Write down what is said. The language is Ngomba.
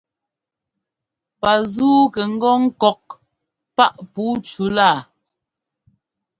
Pazúu kɛ ŋ́gɔ ŋ́kɔk páꞋ puu cú laa.